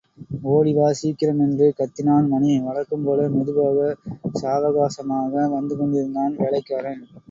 ஓடிவா சீக்கிரம், என்று கத்தினான் மணி, வழக்கம் போல மெதுவாக, சாவகாசமாக வந்து கொண்டிருந்தான் வேலைக்காரன்.